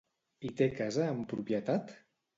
Hi té casa en propietat?